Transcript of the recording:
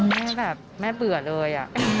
แม่แบบแม่เบื่อเลย